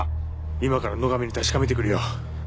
今から野上に確かめてくるよ。